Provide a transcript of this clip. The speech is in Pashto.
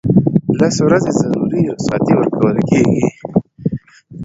لس ورځې ضروري رخصتۍ ورکول کیږي.